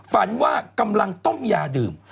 ฝันว่ากำลังต้มยาดื่ม